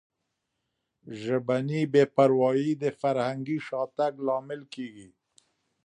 ژبني بې پروایي د فرهنګي شاتګ لامل کیږي.